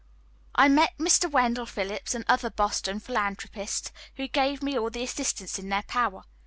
I met Mr. Wendell Phillips, and other Boston philanthropists, who gave me all the assistance in their power.